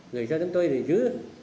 gửi cho chúng tôi để giữ